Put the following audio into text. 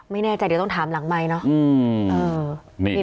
ไม่แน่ใจเดี๋ยวต้องถามหลังไมท์เนาะอืมเอ่อนี่นี่